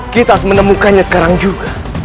kita harus menemukannya sekarang juga